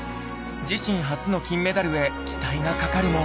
自身初の金メダルへ期待がかかるも。